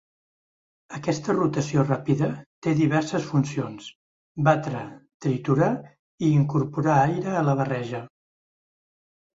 Aquesta rotació ràpida té diverses funcions: batre, triturar i incorporar aire a la barreja.